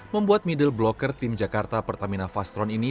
membuat middle blocker tim jakarta pertamina fast road ini